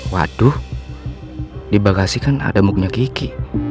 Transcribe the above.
waduh di bagasi kan ada muknya geki